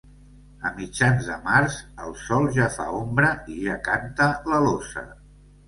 A mitjans de març el sol ja fa ombra i ja canta l'alosa.